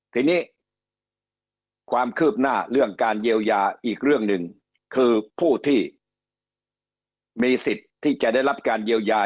ทีนี้ความคืบหน้าเรื่องการเยียวยาอีกเรื่องหนึ่งคือผู้ที่มีสิทธิ์ที่จะได้รับการเยียวยา